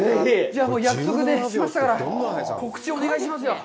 じゃあ約束しましたから、告知をお願いしますよ。